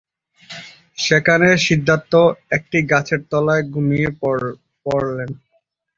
সেখানে সিদ্ধার্থ একটি গাছের তলায় ঘুমিয়ে পড়েন।